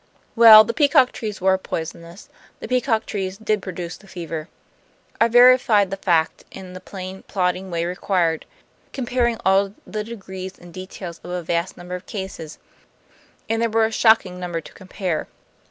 "Well, the peacock trees were poisonous. The peacock trees did produce the fever. I verified the fact in the plain plodding way required, comparing all the degrees and details of a vast number of cases; and there were a shocking number to compare.